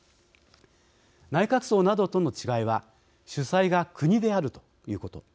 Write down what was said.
内閣葬などとの違いは主催が国であるということ。